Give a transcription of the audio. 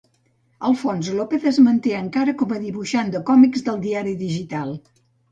Alfons López es manté encara com a dibuixant de còmics del diari digital.